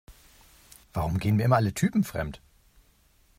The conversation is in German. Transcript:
Warum gehen mir immer alle Typen fremd?